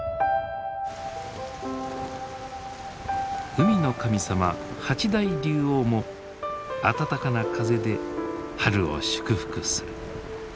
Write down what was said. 海の神様八大龍王も暖かな風で春を祝福する。